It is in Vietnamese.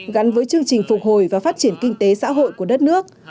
gắn với chương trình phục hồi và phát triển kinh tế xã hội của đất nước